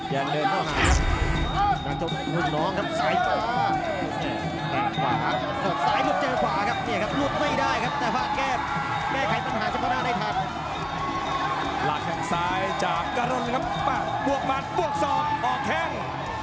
หลับกะลนครับบวงบาดบวงสอบขอแค่ง